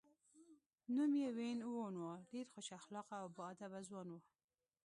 نوم یې وین وون و، ډېر خوش اخلاقه او با ادبه ځوان و.